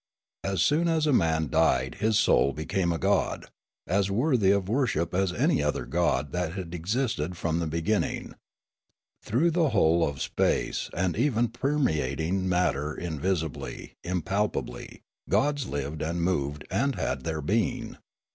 As soon as a man died his soul became a god, as worthy of worship as any other god that had existed from the beginning. Through the whole of space, and even permeating matter in visibly, impalpably, gods lived and moved and had their being.